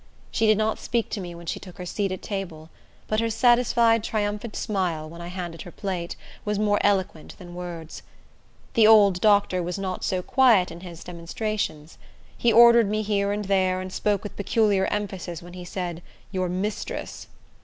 She did not speak to me when she took her seat at table; but her satisfied, triumphant smile, when I handed her plate, was more eloquent than words. The old doctor was not so quiet in his demonstrations. He ordered me here and there, and spoke with peculiar emphasis when he said "your mistress."